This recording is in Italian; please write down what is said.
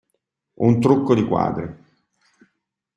Un trucco di quadri.